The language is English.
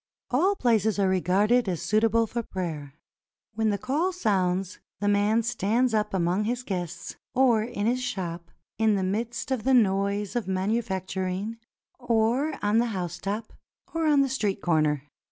All places are regarded as suitable for prayer. When the call sounds, the man stands up among his guests, or in his shop, in the midst of the noise of manufacturing, or on the housetop, or on the street comer.